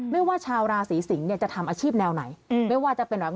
ไม่ว่าชาวราศีสิงศ์เนี่ยจะทำอาชีพแนวไหนไม่ว่าจะเป็นแบบ